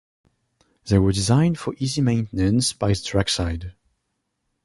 They were designed for easy maintenance by the trackside.